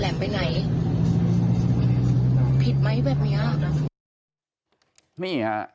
มันแหลมมาก